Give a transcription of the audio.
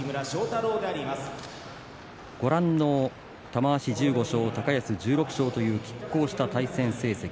玉鷲１５勝高安１６勝というきっ抗した成績。